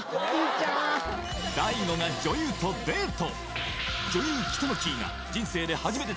ちゃん大悟が女優とデート